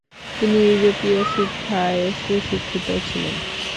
তিনি ইয়োরোপীয় শিক্ষায় সুশিক্ষিত ছিলেন।